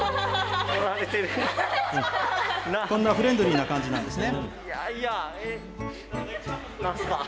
こんなフレンドリーな感じなんですね。